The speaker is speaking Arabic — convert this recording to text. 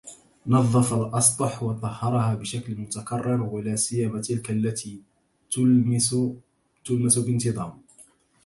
نظف الأسطح وطهّرها بشكل متكرر ولاسيما تلك التي تُلمس بانتظام